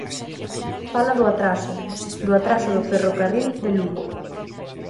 Fala do atraso, do atraso do ferrocarril de Lugo.